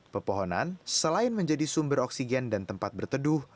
pepohonan selain menjadi sumber oksigen dan tempat berteduh